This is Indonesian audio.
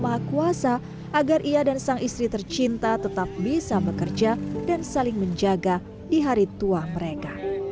maha kuasa agar ia dan sang istri tercinta tetap bisa bekerja dan saling menjaga di hari tua mereka